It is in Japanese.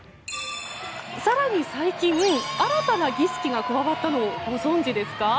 更に最近新たな儀式が加わったのをご存じですか？